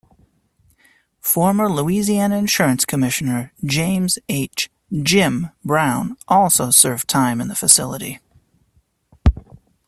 Former Louisiana Insurance Commissioner James H. "Jim" Brown also served time in the facility.